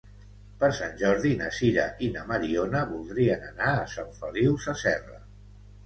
Per Sant Jordi na Sira i na Mariona voldrien anar a Sant Feliu Sasserra.